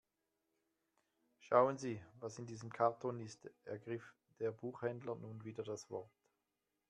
Schauen Sie, was in diesem Karton ist, ergriff der Buchhändler nun wieder das Wort.